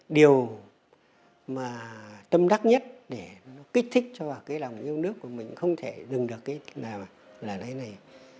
điều mà tâm đắc nhất để kích thích cho vào cái lòng dung nước của mình không thể dừng được là cái này